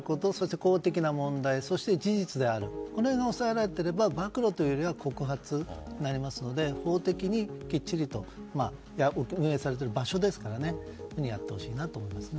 公的な問題、そして事実であるこれが押さえられていれば暴露というよりは告発になりますので法的にきっちりとやってほしいなと思いますね。